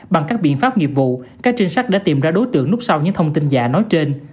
bằng các biện pháp nghiệp vụ các trinh sát đã tìm ra đối tượng núp sau những thông tin giả nói trên